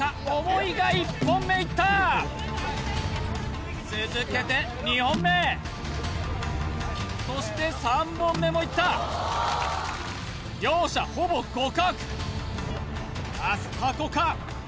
重いが１本目いった続けて２本目そして３本目もいった両者ほぼ互角アスタコか？